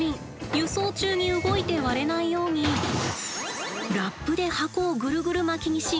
輸送中に動いて割れないようにラップで箱をぐるぐる巻きにしがっちりと固定。